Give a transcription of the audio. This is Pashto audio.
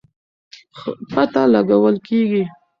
پته لګول کېږي.